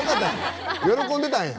喜んでたんや。